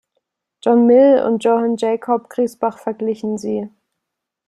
John Mill und Johann Jakob Griesbach verglichen sie.